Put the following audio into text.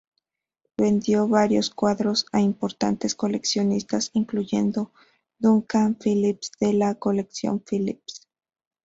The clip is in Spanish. Vendió varios cuadros a importantes coleccionistas incluyendo Duncan Phillips de la Colección Phillips.